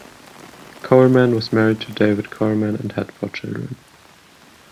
Coleman was married to David Coleman and had four children.